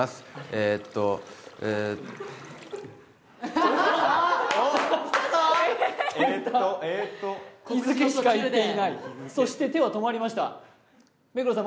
えっとえっと日付しか言っていないそして手は止まりました目黒さん